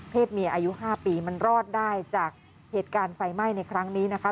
เมียอายุ๕ปีมันรอดได้จากเหตุการณ์ไฟไหม้ในครั้งนี้นะคะ